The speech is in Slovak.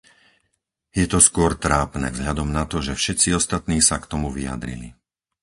Je to skôr trápne, vzhľadom na to, že všetci ostatní sa k tomu vyjadrili.